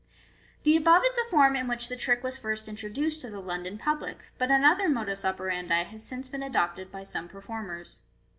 The above is the form in which the trick was first introduced to the London public, but another modus operandi has since been adopted by some performers.